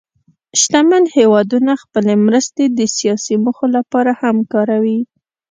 شتمن هېوادونه خپلې مرستې د سیاسي موخو لپاره هم کاروي.